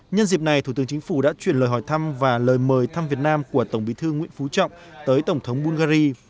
nhân dịp này thủ tướng chính phủ đã chuyển lời hỏi thăm và lời mời thăm việt nam của tổng bí thư nguyễn phú trọng tới tổng thống bungary